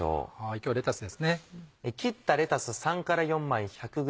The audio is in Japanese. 今日はレタスですね。